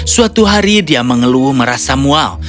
suatu hari dia mengeluh merasa mual